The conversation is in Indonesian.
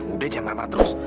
udah jangan marah marah terus